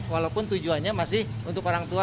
walaupun tujuannya masih untuk orang tua